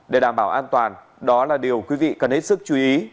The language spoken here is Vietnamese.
để đảm bảo an toàn đó là điều quý vị cần hết sức chú ý